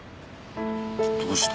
どうして？